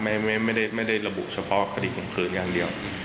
ไม่ได้ระบุเฉพาะคดีข่มขืนอย่างเดียว